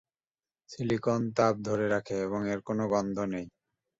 Silicon তাপ ধরে রাখে এবং এর কোনও গন্ধ নেই।